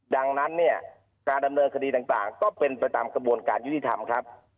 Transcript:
ดังนั้นเนี่ยการดำเนินคดีต่างก็เป็นไปตามกระบวนการยุติธรรมครับ